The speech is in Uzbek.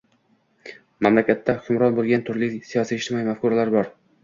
Mamlakatda hukmron boʻlgan turli siyosiy-ijtimoiy mafkuralar bor